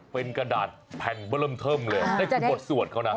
เป็นกระดาษแผ่นเบอร์เริ่มเทิมเลยนั่นคือบทสวดเขานะ